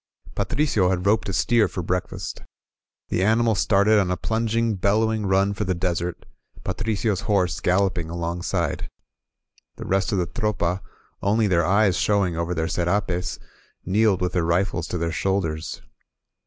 Patricio had roped a steer for breakfast. The ani mal started on a plunging, bellowing run for the desert, Patricio's horse galloping alongside. The rest of the Tropa, only their eyes showing over their serapes, kneeled with their rifles to their shoulders.